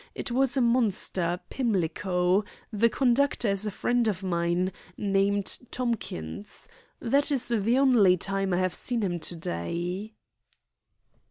It was a Monster, Pimlico. The conductor is a friend of mine, named Tomkins. That is the only time I have seen him to day."